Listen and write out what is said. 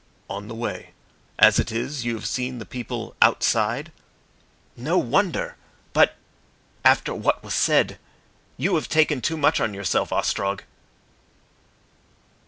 "On the way. As it is, you have seen the people outside?" "No wonder! But after what was said. You have taken too much on yourself, Ostrog."